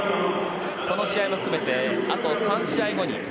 この試合を含めてあと３試合後に。